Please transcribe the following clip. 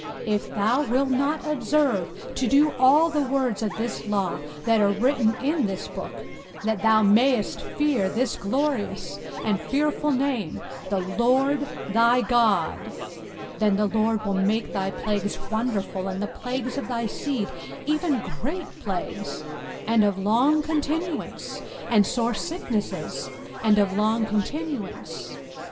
05:028:058 If thou wilt not observe to do all the words of this law that are written in this book, that thou mayest fear this glorious and fearful name, THE LORD THY GOD; 05:028:059 Then the LORD will make thy plagues wonderful, and the plagues of thy seed, even great plagues, and of long continuance, and sore sicknesses, and of long continuance.